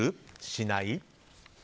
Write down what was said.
しない？